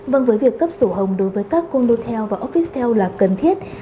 vâng với việc cấp sổ hồng đối với các condo theo và office theo là cần thiết